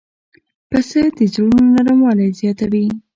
پسه د زړونو نرموالی زیاتوي.